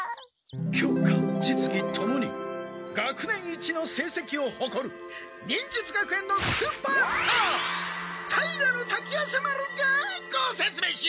教科実技ともに学年一のせいせきをほこる忍術学園のスーパースター平滝夜叉丸がごせつめいしよう！